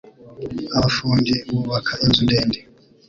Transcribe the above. abafundi bubaka inzu ndende